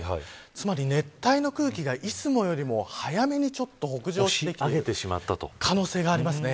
つまり熱帯の空気がいつもよりも早めに北上してきている可能性があります。